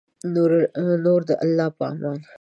نور د الله په امان